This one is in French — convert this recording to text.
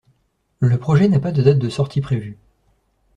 Le projet n'a pas de date de sortie prévue.